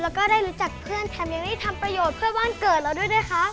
แล้วก็ได้รู้จักเพื่อนแฮมิรี่ทำประโยชน์เพื่อบ้านเกิดเราด้วยนะคะ